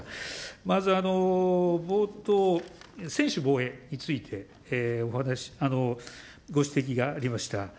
まず冒頭、専守防衛について、ご指摘がありました。